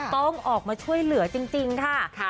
ต้องออกมาช่วยเหลือจริงค่ะ